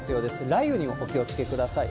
雷雨にもお気をつけください。